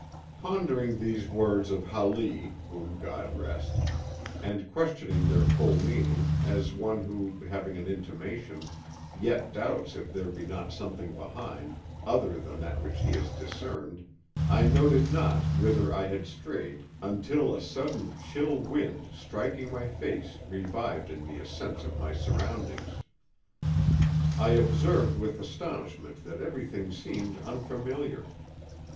PONDERING these words of Hali (whom God rest) and questioning their full meaning, as one who, having an intimation, yet doubts if there be not something behind, other than that which he has discerned, I noted not whither I had strayed until a sudden chill wind striking my face revived in me a sense of my surroundings. I observed with astonishment that everything seemed unfamiliar.